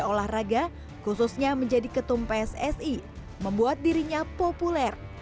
olahraga khususnya menjadi ketum pssi membuat dirinya populer